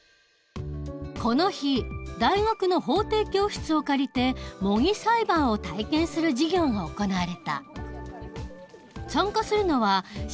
この日大学の法廷教室を借りて模擬裁判を体験する授業が行われた。